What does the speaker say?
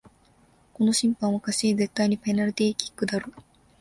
この審判おかしい、絶対にペナルティーキックだろ